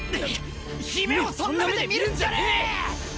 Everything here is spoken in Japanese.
姫をそんな目で見るんじゃねえ！